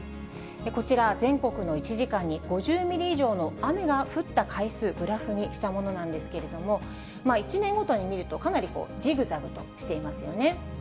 こちら、全国の１時間に５０ミリ以上の雨が降った回数、グラフにしたものなんですけれども、１年ごとに見ると、かなりジグザグとしていますよね。